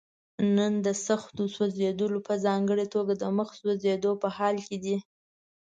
نن د سختو سوځېدلو په ځانګړي توګه د مخ سوځېدو په حال کې دي.